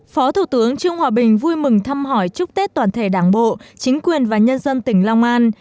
phó thủ tướng trương hòa bình vui mừng thăm hỏi chúc tết toàn thể đảng bộ chính quyền và nhân dân tỉnh long an